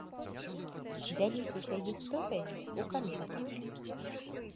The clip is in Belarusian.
Дзяліцеся гісторыямі ў каментах!